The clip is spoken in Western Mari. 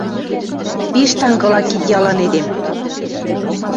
Пиш тангыла кид-ялан эдем.